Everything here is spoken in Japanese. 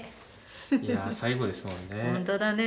いや最後ですもんね。